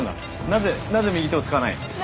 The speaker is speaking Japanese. なぜなぜ右手を使わない？